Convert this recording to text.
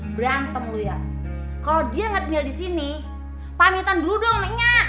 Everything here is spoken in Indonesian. berantem lu ya kalau dia gak tinggal disini pamitan dulu dong sama nyak